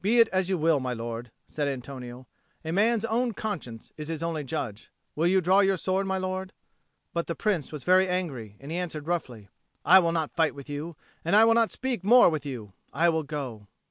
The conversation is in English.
"Be it as you will, my lord," said Antonio. "A man's own conscience is his only judge. Will you draw your sword, my lord?" But the Prince was very angry, and he answered roughly, "I will not fight with you, and I will not speak more with you. I will go."